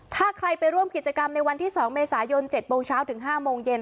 ถ้าใครไปร่วมกิจกรรมในวันที่๒เมษายน๗โมงเช้าถึง๕โมงเย็น